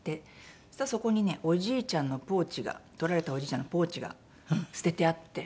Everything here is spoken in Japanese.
そしたらそこにねおじいちゃんのポーチが盗られたおじいちゃんのポーチが捨ててあって。